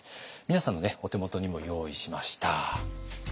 皆さんのお手元にも用意しました。